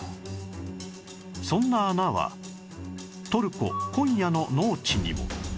そんな穴はトルココンヤの農地にも